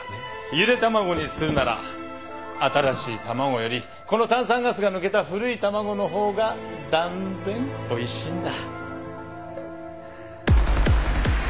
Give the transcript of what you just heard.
ゆで卵にするなら新しい卵よりこの炭酸ガスが抜けた古い卵の方が断然おいしいんだ。